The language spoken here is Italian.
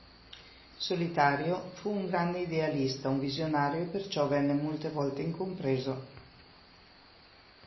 Solitario, fu un grande idealista, un visionario e perciò venne molte volte incompreso.